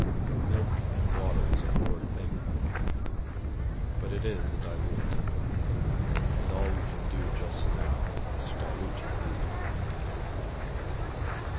Milk and water is a poor thing, but it is a diluent, and all we can do just now is to dilute your grief."